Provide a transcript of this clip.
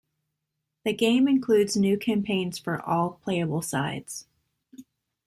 The game includes new campaigns for all playable sides.